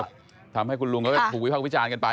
ทำให้คุณลุงก็ถูกวิภาควิจารณ์กันไป